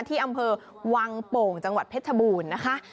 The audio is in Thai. ที่อำเภอวังโป่งจังหวัดเพชรบูรณ์นะคะ